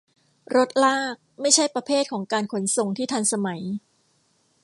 รถลากไม่ใช่ประเภทของการขนส่งที่ทันสมัย